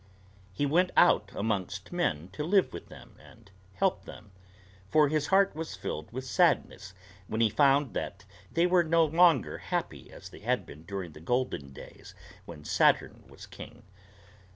He went out amongst men to live with them and help them; for his heart was filled with sadness when he found that they were no longer happy as they had been during the golden days when Saturn was king.